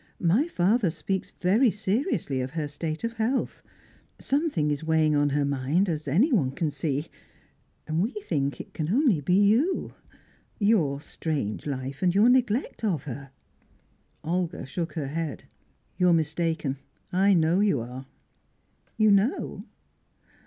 My father speaks very seriously of her state of health. Something is weighing on her mind, as anyone can see, and we think it can only be you your strange life, and your neglect of her." Olga shook her head. "You're mistaken, I know you are." "You know?